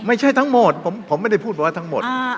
ไม่ใช่ทั้งหมดผมไม่ได้พูดบอกว่าทั้งหมด